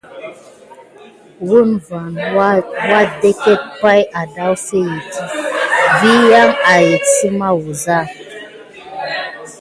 Woun van wadeket pay adaffetiŋgi vi yan ayangek səma wuza.